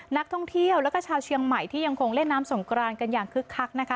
นักท่องเที่ยวแล้วก็ชาวเชียงใหม่ที่ยังคงเล่นน้ำสงกรานกันอย่างคึกคักนะคะ